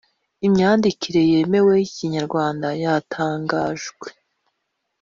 Imyandikire yemewe y’Ikinyarwanda yatangajwe